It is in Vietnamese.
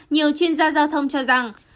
nhiều chuyên gia giao thông cho rằng